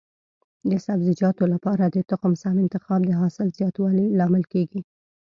د سبزیجاتو لپاره د تخم سم انتخاب د حاصل زیاتوالي لامل کېږي.